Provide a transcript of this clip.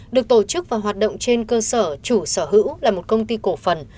được tổ chức và hoạt động trên cơ sở chủ sở hữu là một công ty cổ phần